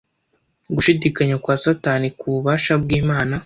Gushidikanya kwa Satani ku bubasha bw'Imana